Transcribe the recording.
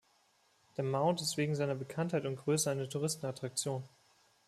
Der Mound ist wegen seiner Bekanntheit und Größe eine Touristenattraktion.